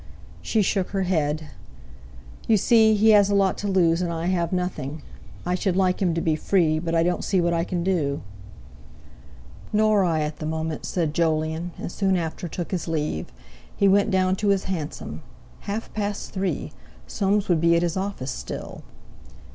She shook her head. "You see, he has a lot to lose; and I have nothing. I should like him to be free; but I don't see what I can do." "Nor I at the moment," said Jolyon, and soon after took his leave. He went down to his hansom. Half past three! Soames would be at his office still.